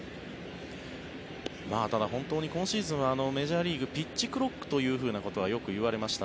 ただ、本当に今シーズンはメジャーリーグピッチクロックということはよくいわれました。